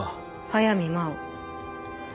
速水真緒。